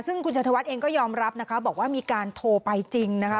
ซึ่งคุณชัยธวัฒน์เองก็ยอมรับนะคะบอกว่ามีการโทรไปจริงนะคะ